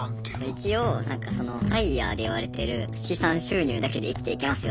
一応そのＦＩＲＥでいわれてる資産収入だけで生きていけます